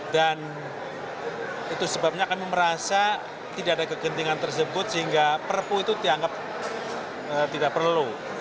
dan itu sebabnya kami merasa tidak ada kegentingan tersebut sehingga perpu itu dianggap tidak perlu